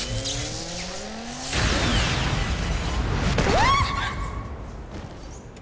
うわ！